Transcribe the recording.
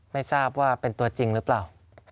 ไม่ทราบว่าเป็นตัวจริงหรือเปล่า